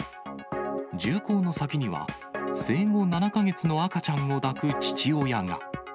銃口の先には、生後７か月の赤ちゃんを抱く父親が。